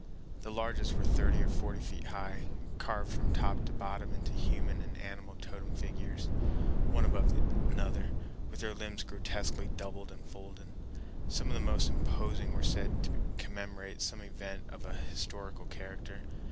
The largest were thirty or forty feet high, carved from top to bottom into human and animal totem figures, one above another, with their limbs grotesquely doubled and folded. Some of the most imposing were said to commemorate some event of an historical character.